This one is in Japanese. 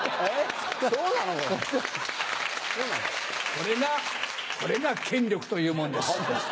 これがこれが権力というものです。